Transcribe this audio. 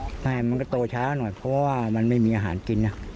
ใช่มันก็โตช้าหน่อยเพราะว่ามันไม่มีอาหารกิน